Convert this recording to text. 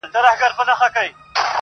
نن به د جنون زولنې ماتي کړو لیلا به سو -